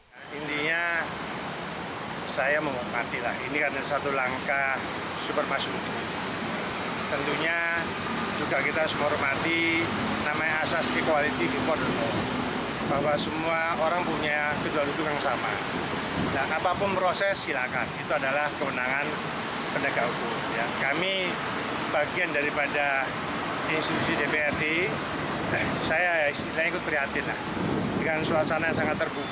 jadi saya ikut prihatin dengan suasana yang sangat terbuka akutabilitas transparasi masih ada hukum yang melakukan penyalahgunaan